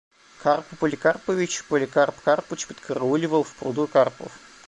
Карпу Поликарповичу Поликарп Карпыч подкарауливал в пруду карпов.